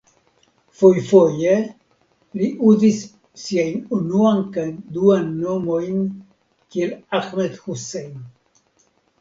Fojfoje li uzis siajn unuan kaj duan nomojn kiel Ahmed Hussein.